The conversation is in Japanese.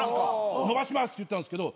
伸ばしますって言ったんですけど。